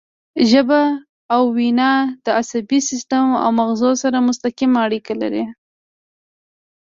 ژبه او وینا د عصبي سیستم او مغزو سره مستقیمه اړیکه لري